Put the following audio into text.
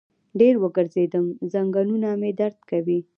ډېر وګرځیدم، زنګنونه مې درد کوي